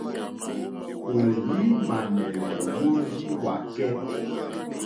Ò rz-ímànɛ̀lè wórzíwàkɛ́.